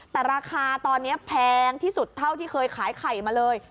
แต่ราคาตอนนี้แพงที่สุดเท่าที่เคยขายไข่มาเลย